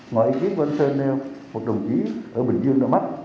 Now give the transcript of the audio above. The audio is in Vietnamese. ngoại trí của anh sơn nêu một đồng chí ở bình dương đã mắc